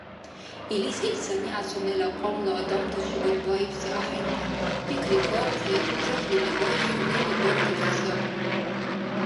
Илис ил санигӀят сунела кьамла адамтачибад баибси ахӀенри, пикрикавхъи, жагьли левай сунени баргибси сабри.